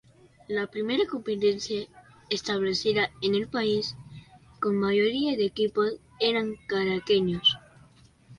La primera competencia establecida en el país con mayoría de equipos eran caraqueños.